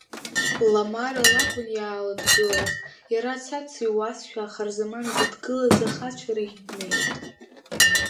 Ламара лакәын иаалыдгылаз, иара цац иуазшәа Ахарзаман дзыдгылаз ахацәа рахь днеит.